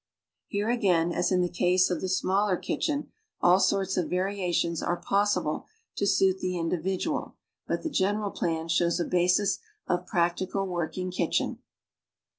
Here, again, as in the case of the smaller kitchen, all sorts of variations are possible to suit the individual, but the general plan shows a basis of practical working kitchen.